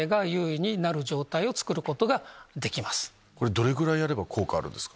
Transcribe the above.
どれぐらいやれば効果あるんですか？